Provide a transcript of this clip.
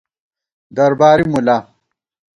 درباری مُلا